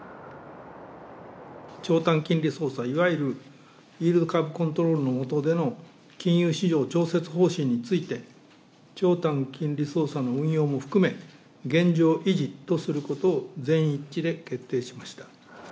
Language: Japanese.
長短金利操作、いわゆるイールドカーブコントロールの下での金融市場調節方針について、長短金利操作の運用も含め、現状維持とすることを、全員一致で決定いたしました。